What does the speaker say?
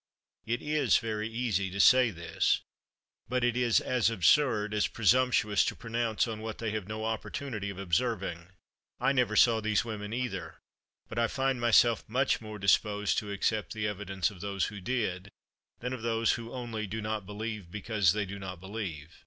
It is very easy to say this; but it is as absurd as presumptuous to pronounce on what they have had no opportunity of observing. I never saw these women either; but I find myself much more disposed to accept the evidence of those who did, than of those who only "do not believe, because they do not believe."